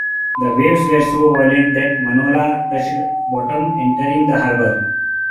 The waves were so violent that "Manola" touched bottom entering the harbor.